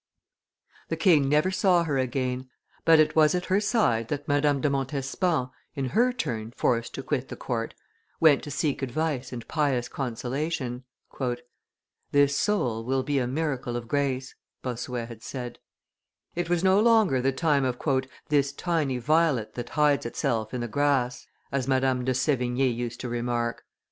The king never saw her again, but it was at her side that Madame de Montespan, in her turn forced to quit the court, went to seek advice and pious consolation. "This soul will be a miracle of grace," Bossuet had said. [Illustration: Madame de Montespan 12] It was no longer the time of "this tiny violet that hides itself in the grass," as Madame de Sevigne used to remark.